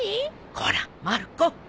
こらまる子。